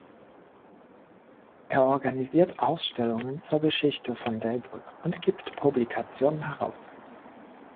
Er organisiert Ausstellungen zur Geschichte von Dellbrück und gibt Publikationen heraus.